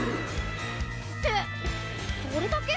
ってそれだけ？